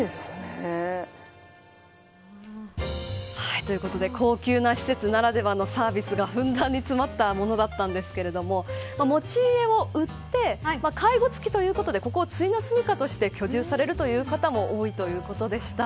ということで高級な施設ならではのサービスがふんだんに詰まったものだったんですけども持ち家を売って介護付きということでここをついのすみかとして居住される方も多いということでした。